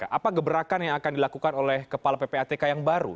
apa gebrakan yang akan dilakukan oleh kepala ppatk yang baru